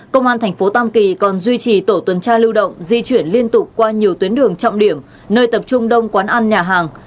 công an thành phố tam kỳ còn duy trì tổ tuần tra lưu động di chuyển liên tục qua nhiều tuyến đường trọng điểm nơi tập trung đông quán ăn nhà hàng